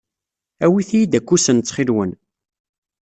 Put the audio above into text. Awit-iyi-d akusen ttxil-wen.